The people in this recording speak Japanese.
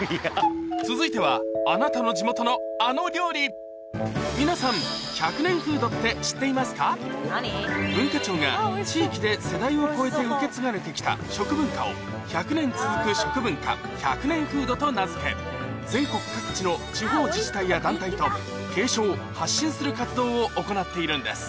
続いてはあなたの地元のあの料理皆さん文化庁が地域で世代を超えて受け継がれてきた食文化を１００年続く食文化「１００年フード」と名付け全国各地の地方自治体や団体と継承・発信する活動を行っているんです